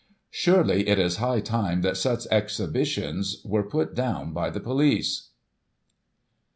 Surely it is high time that such exhibitions were put down by the police.'